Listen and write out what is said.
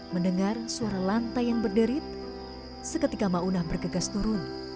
mendengar suara lantai yang berderit seketika maunah bergegas turun